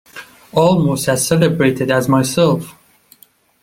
Almost as celebrated as myself!